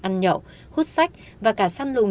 ăn nhậu hút sách và cả săn lùng